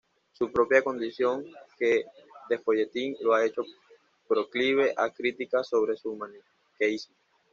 Su propia condición de folletín lo ha hecho proclive a críticas sobre su maniqueísmo.